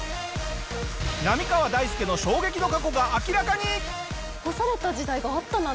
浪川大輔の衝撃の過去が明らかに！